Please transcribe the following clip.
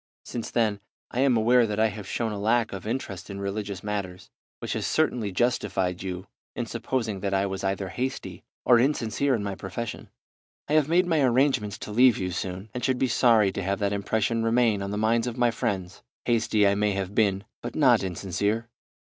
Since then I am aware that I have shown a lack of interest in religious matters, which has certainly justified you in supposing that I was either hasty or insincere in my profession. I have made my arrangements to leave you soon, and should be sorry to have that impression remain on the minds of my friends. Hasty I may have been, but not insincere.